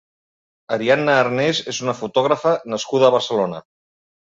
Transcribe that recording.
Ariadna Arnés és una fotògrafa nascuda a Barcelona.